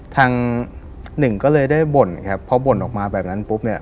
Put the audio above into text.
ทางหนึ่งก็เลยได้บ่นครับพอบ่นออกมาแบบนั้นปุ๊บเนี่ย